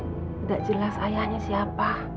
tidak jelas ayahnya siapa